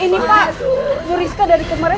ini pak bu rizka dari kemarin